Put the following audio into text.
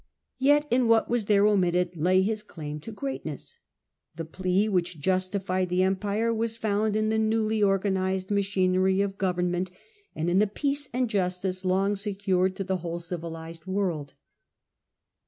Yet in what was there omitted lay his claim to greatness. The plea which justified the Empire was found in the newly organized machinery of government and in the peace and justice long secured to the whole civilised world.